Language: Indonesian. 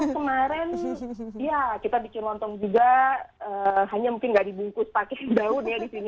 kemarin ya kita bikin lontong juga hanya mungkin nggak dibungkus pakai daun ya di sini